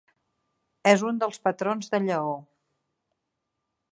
És un dels patrons de Lleó.